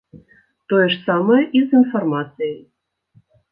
Тое ж самае і з інфармацыяй.